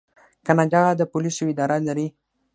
کاناډا د پولیسو اداره لري.